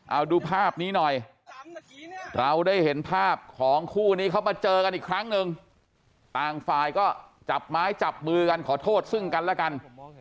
เอาดูภาพนี้หน่อยเราได้เห็นภาพของคู่นี้เขามาเจอกันอีกครั้งหนึ่งต่างฝ่ายก็จับไม้จับมือกันขอโทษซึ่งกันแล้วกัน